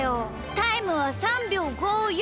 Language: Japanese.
タイムは３びょう５４！